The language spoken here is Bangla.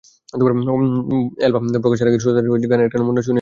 অ্যালবাম প্রকাশের আগে শ্রোতাদের গানের একটা নমুনা শুনিয়ে নেওয়াটা বুদ্ধিমানের কাজ।